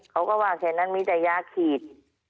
เขาก็ว่าฉะนั้นมีใจยากขีด